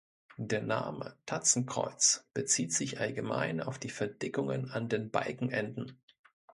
Der Name "Tatzenkreuz" bezieht sich allgemein auf die Verdickungen an den Balkenenden.